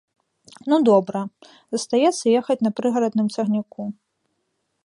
Ну добра, застаецца ехаць на прыгарадным цягніку.